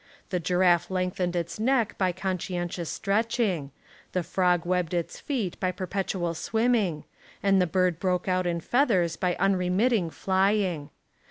The giraffe lengthened its neck by conscientious stretching; the frog webbed its feet by perpetual swim ming; and the bird broke out in feathers by unremitting flying.